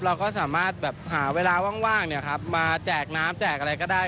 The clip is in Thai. เราก็สามารถแบบหาเวลาว่างมาแจกน้ำแจกอะไรก็ได้